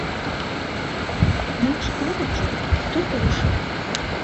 Інакш кажучы, з тутэйшых.